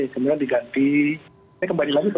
kemudian diganti ini kembali lagi ke